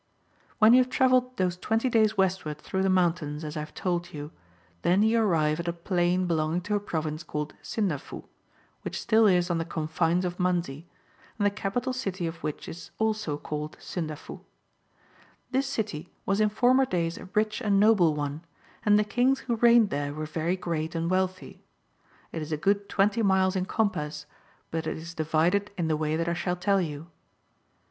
W»KN you luive travelled those 20 days westward through the mountains, as I have told you, then you arrive at a plain belonging to a province called Sindafu, which still is (jn the confines of Manzi, and the capital city of which is (also) called Sindaki', This city was in former days a rich and noble one, and the Kings who reigned there were very great and wealthy. It is a good twenty miles in compass, but it is divided in the way that I shall tell you.